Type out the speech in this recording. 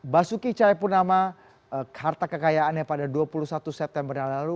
basuki cahayapunama harta kekayaannya pada dua puluh satu september yang lalu